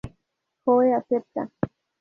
Joe acepta.